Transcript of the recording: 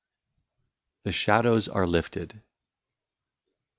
95 THE SHADOWS ARE LIFTED.